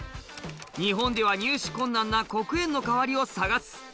日本では入手困難な黒鉛の代わりを探す。